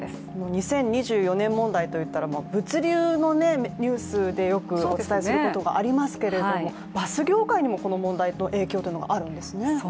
２０２４年問題といったら物流のニュースでよくお伝えすることがありますけれどもバス業界にもこの問題の影響というのがあるんですね。